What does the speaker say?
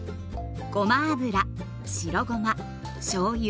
ごま油白ごましょうゆ